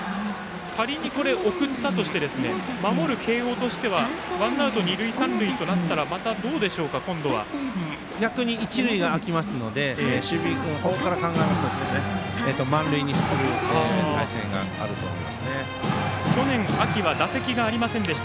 逆に送ったとして守る慶応としてはワンアウト、二塁三塁となったら逆に一塁が空きますので守備の方から考えますと満塁にする可能性があると思いま去年秋は打席がありませんでした。